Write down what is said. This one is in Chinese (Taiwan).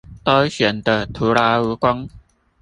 都顯得徒勞無功